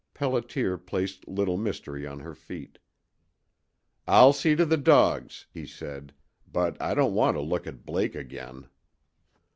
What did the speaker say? Pelliter placed Little Mystery on her feet. "I'll see to the dogs," he said. "But I don't want to look at Blake again."